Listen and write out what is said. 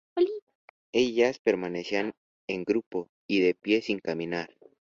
Ellas permanecían en grupo y de pie sin caminar.